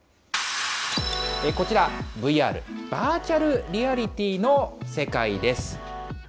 こちら、ＶＲ・バーチャルリアリティーの世界です。